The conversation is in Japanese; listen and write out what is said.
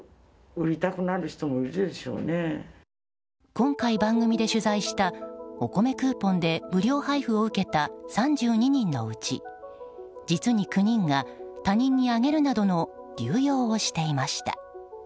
今回、番組で取材したおこめクーポンで無料配布を受けた３２人のうち実に９人が他人にあげるなどの流用をしていました。